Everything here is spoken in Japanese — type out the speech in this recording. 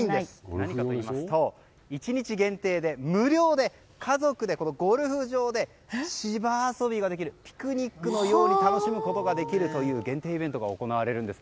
何かといいますと１日限定で無料で家族で、このゴルフ場で芝遊びができるピクニックのように楽しむことができるという限定イベントが行われるんです。